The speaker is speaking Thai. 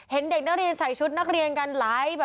เห็นเด็กนักเรียนใส่ชุดนักเรียนกันหลายแบบ